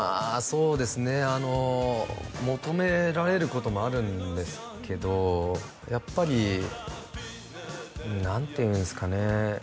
そうですね求められることもあるんですけどやっぱり何ていうんですかね